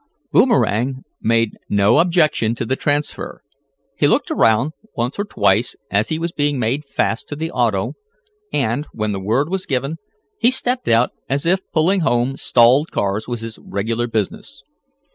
Boomerang made no objection to the transfer. He looked around once or twice as he was being made fast to the auto and, when the word was given he stepped out as if pulling home stalled cars was his regular business.